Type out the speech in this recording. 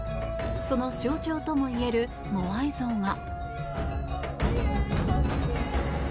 その象徴ともいえるモアイ像が。